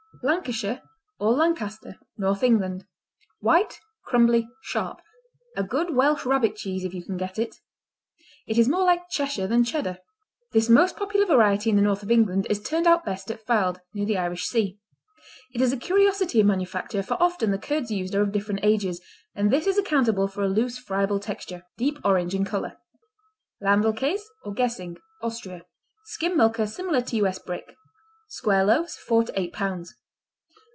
Lancashire, or Lancaster North England White; crumbly; sharp; a good Welsh Rabbit cheese if you can get it. It is more like Cheshire than Cheddar. This most popular variety in the north of England is turned out best at Fylde, near the Irish Sea. It is a curiosity in manufacture, for often the curds used are of different ages, and this is accountable for a loose, friable texture. Deep orange in color. Land l kas, or Güssing Austria Skim milker, similar to U.S. Brick. Square loaves, four to eight pounds.